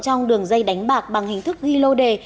trong đường dây đánh bạc bằng hình thức ghi lô đề